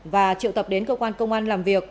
và triệu tập đến cơ quan công an làm việc